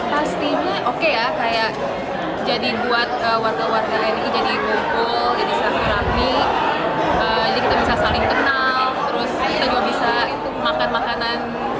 pastinya oke ya jadi buat warga warga ini jadi rumpul jadi sangat rapi jadi kita bisa saling kenal terus kita juga bisa makan makanan